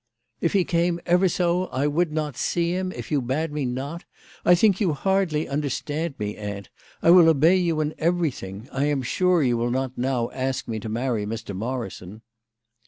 " If he came ever so I would not see him if you bade me not. I think you hardly understand me, aunt. I will obey you in everything. I am sure you will not now ask me to marry Mr. Morrison."